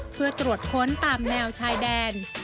เพื่อตรวจค้นตามแนวชายแดน